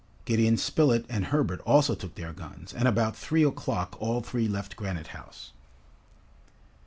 Gideon Spilett and Herbert also took their guns, and about three o'clock all three left Granite House.